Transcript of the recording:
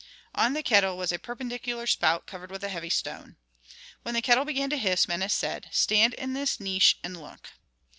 On the kettle was a perpendicular spout covered with a heavy stone. When the kettle began to hiss, Menes said, "Stand in this niche and look."